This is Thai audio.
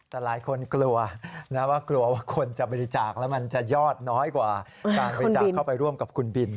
แต่หลายคนกลัวนะว่ากลัวว่าคนจะบริจาคแล้วมันจะยอดน้อยกว่าการบริจาคเข้าไปร่วมกับคุณบิน